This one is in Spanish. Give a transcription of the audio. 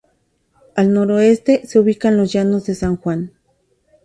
Al noroeste se ubican los llanos de San Juan.